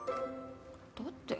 だって。